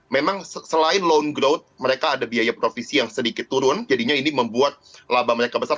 memang selain long growth mereka ada biaya provisi yang sedikit turun jadinya ini membuat laba mereka besar